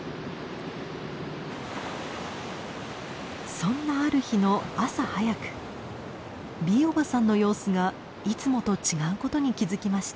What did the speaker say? そんなある日の朝早くＢおばさんの様子がいつもと違うことに気付きました。